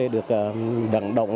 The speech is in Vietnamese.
được vận động